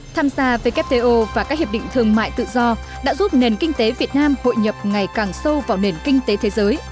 tham gia wto và các hiệp định thương mại tự do đã giúp nền kinh tế việt nam hội nhập ngày càng sâu vào nền kinh tế thế giới